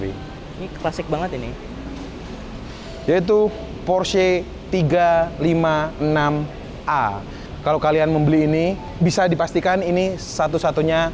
ini klasik banget ini yaitu porsi tiga ribu lima puluh enam a kalau kalian membeli ini bisa dipastikan ini satu satunya